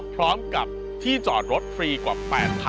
พร้อมกับที่จอดรถฟรีกว่า๘๐๐๐